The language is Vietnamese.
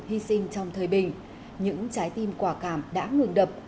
hy sinh trong thời bình những trái tim quả cảm đã ngừng đập